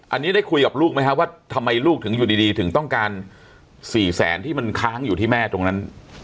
อันนี้ได้คุยกับลูกไหมครับว่าทำไมลูกถึงอยู่ดีถึงต้องการ๔แสนที่มันค้างอยู่ที่แม่ตรงนั้น